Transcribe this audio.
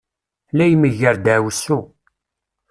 La imegger ddaɛwessu.